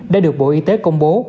đã được bộ y tế công bố